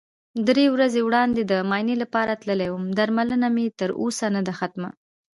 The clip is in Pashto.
درې ورځې وړاندې د معاینې لپاره تللی وم، درملنه مې تر اوسه نده ختمه.